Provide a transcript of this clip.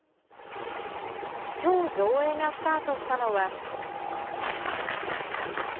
きょう上映がスタートしたのは。